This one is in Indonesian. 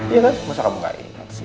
iya kan masa kamu gak enak sih